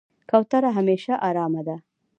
کوتره همیشه آرامه ده.